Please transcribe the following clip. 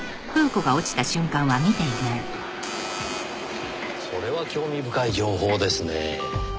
それは興味深い情報ですねぇ。